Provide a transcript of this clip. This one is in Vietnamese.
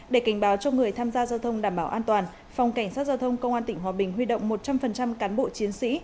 để cảnh báo cho người tham gia giao thông đảm bảo an toàn phòng cảnh sát giao thông công an tỉnh hòa bình huy động một trăm linh cán bộ chiến sĩ